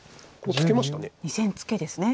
２線ツケですね。